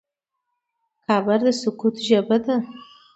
قبر د سکوت ژبه ده.